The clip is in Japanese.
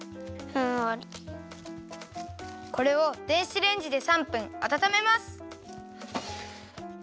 これを電子レンジで３分あたためます。